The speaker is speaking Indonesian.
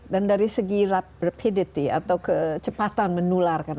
dan dari segi rapidity atau kecepatan menularkan